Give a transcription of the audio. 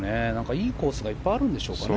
いいコースがいっぱいあるんでしょうかね。